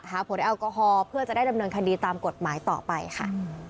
หาผลแอลกอฮอล์เพื่อจะได้ดำเนินคดีตามกฎหมายต่อไปค่ะ